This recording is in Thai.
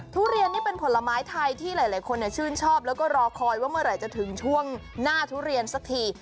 ทุเรียนนี่เป็นผลไม้ไทยที่หลายคนชื่นชอบแล้วก็รอคอยว่าเมื่อไหร่จะถึงช่วงหน้าทุเรียนสักที